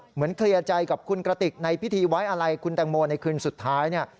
เหมือนเคลียร์ใจกับคุณกระติกในพิธีไว้อะไรคุณแตงโมในคืนสุดท้ายเนี่ย